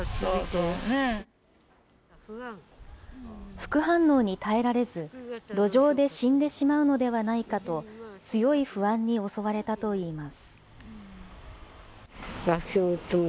副反応に耐えられず、路上で死んでしまうのではないかと、強い不安に襲われたといいます。